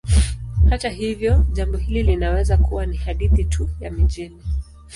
Hata hivyo, jambo hili linaweza kuwa ni hadithi tu ya mijini.